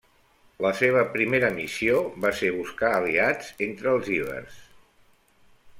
La seva primera missió va ser buscar aliats entre els ibers.